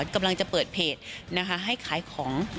กำลังจะเปิดเพจให้ขายของ